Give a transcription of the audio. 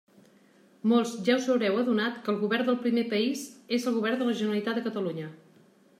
Molts ja us haureu adonat que el govern del primer país és el Govern de la Generalitat de Catalunya.